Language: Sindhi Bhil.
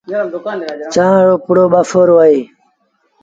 چآنه رو پڙو ٻآسورو اهي۔